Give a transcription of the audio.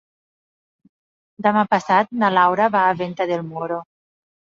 Demà passat na Laura va a Venta del Moro.